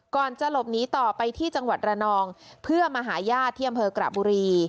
ก่อนจะหลบหนีต่อไปที่จังหวัดระนองเพื่อมาหาญาติที่อำเภอกระบุรี